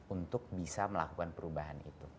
untuk bisa melakukan perubahan itu